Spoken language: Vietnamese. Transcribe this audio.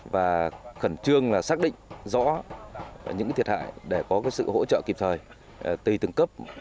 và khẩn trương xác định rõ những thiệt hại để có sự hỗ trợ kịp thời tùy từng cấp